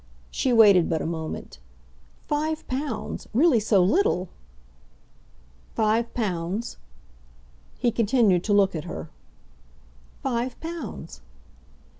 She waited but a moment. "Five pounds. Really so little." "Five pounds?" He continued to look at her. "Five pounds."